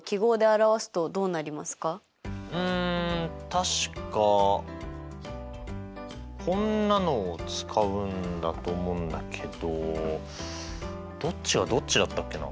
うん確かこんなのを使うんだと思うんだけどどっちがどっちだったっけな？